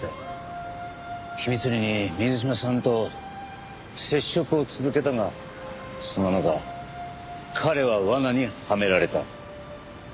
秘密裏に水島さんと接触を続けたがそんな中彼は罠にはめられた。